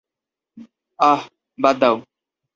অহ, বাদ দাও।